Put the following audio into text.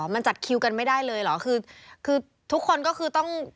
มันจัดคิวกันไม่ได้เลยเหรอคือคือทุกคนก็คือต้อง